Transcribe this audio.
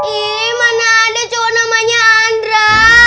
ini mana ada cowok namanya andra